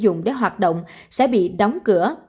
nếu anh ta sử dụng để hoạt động sẽ bị đóng cửa